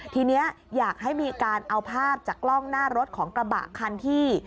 ทีนี้อยากให้มีการเอาภาพจากกล้องหน้ารถของกระบะคันที่